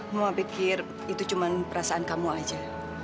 mama pikir itu cuma perasaan kamu saja